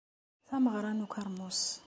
Tameɣra n ukermus.